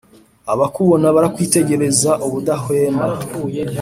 Abakubona barakwitegereza ubudahwema,